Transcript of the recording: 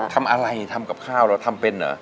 ทำอะไรทำกับข้าวแล้วทำเป็นเหรอ